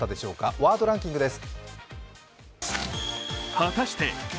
「ワードランキング」です。